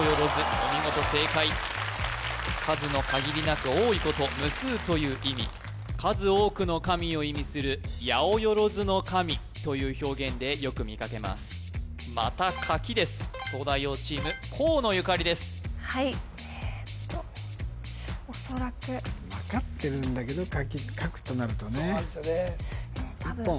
お見事正解数の限りなく多いこと無数という意味数多くの神を意味する八百万の神という表現でよく見かけます東大王チーム河野ゆかりですはいえーっとおそらくそうなんですよそうなんですよ